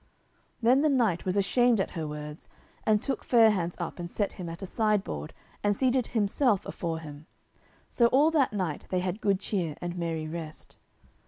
Then the knight was ashamed at her words, and took Fair hands up and set him at a sideboard, and seated himself afore him. So all that night they had good cheer and merry rest.